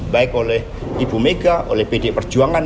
baik oleh ibu mega oleh pd perjuangan